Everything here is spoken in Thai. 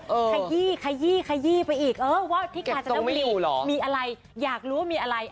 ขยี้ขยี้ขยี้ไปอีกเออว่าที่กาญจนบุรีมีอะไรอยากรู้ว่ามีอะไร